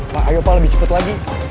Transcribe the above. pak ayo pak lebih cepat lagi